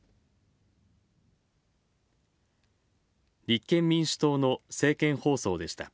立憲民主党の政見放送でした。